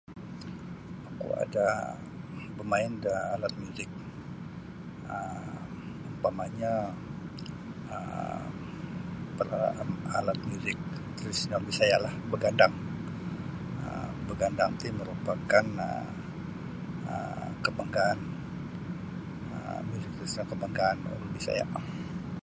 Oku ada bamain da alat miuzik um umpamanyo um peralatan alat miuzik tradisional Bisayalah bagandang. um Bagandang ti merupakan um kabanggaan miuzik tradisional kabanggaan ulun Bisaya.